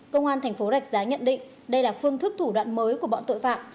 công an tp rạch giá nhận định đây là phương thức thủ đoạn mới của bọn tội phạm